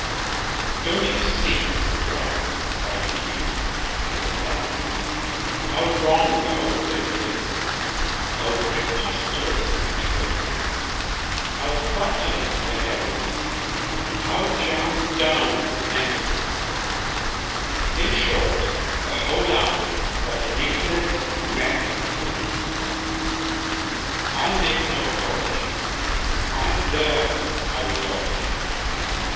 "Don't you see, Mister Brown," Cried the youth, with a frown, "How wrong the whole thing is, How preposterous each wing is, How flattened the head is, how jammed down the neck is In short, the whole owl, what an ignorant wreck 't is! I make no apology; I've learned owl eology.